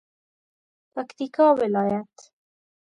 پکتیکا ولایت